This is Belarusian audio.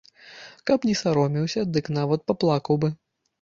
Каб не саромеўся, дык нават паплакаў бы.